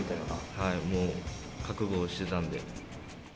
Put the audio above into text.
はい、もう覚悟はしてたんで。